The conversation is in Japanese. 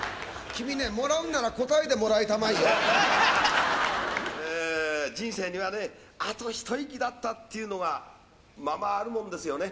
君ね、もらうんなら、人生にはね、あと一息だったっていうのが、ままあるもんですよね。